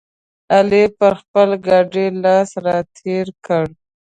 علي پر خپل ګاډي لاس راتېر کړ.